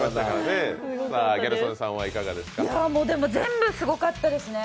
全部すごかったですね。